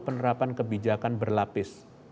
penerapan kebijakan berlapis